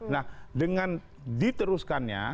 nah dengan diteruskannya